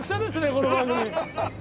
この番組。